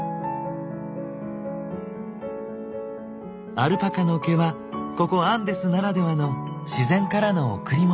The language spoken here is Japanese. アルパカの毛はここアンデスならではの自然からの贈り物。